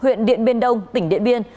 huyện điện biên đông tỉnh điện biên